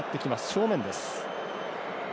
正面です。